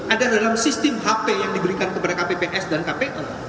ada dalam sistem hp yang diberikan kepada kpps dan kpu